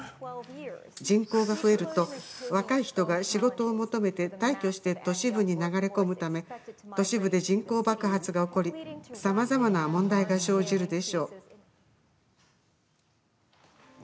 人口が増えると若い人が仕事を求めて大挙して都市部に流れ込むため都市部で人口爆発が起こりさまざまな問題が生じるでしょう。